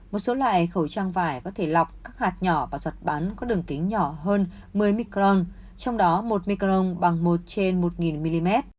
một số loại khẩu trang vải có thể lọc các hạt nhỏ và giọt bán có đường kính nhỏ hơn một mươi micron trong đó một micron bằng một trên một mm